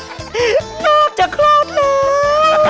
หนักจะครอบแล้ว